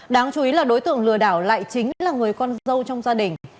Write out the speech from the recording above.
đáng chú ý là đối tượng lừa đảo lại chính là người con dâu trong gia đình